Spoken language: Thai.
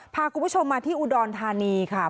พาคุณผู้ชมมาที่อุดรธานีค่ะ